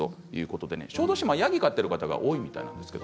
小豆島はヤギを飼っている方が多いようです。